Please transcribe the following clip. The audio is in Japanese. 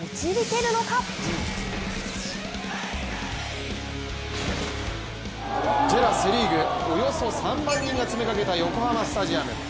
セ・リーグ、およそ３万人が詰めかけた横浜スタジアム。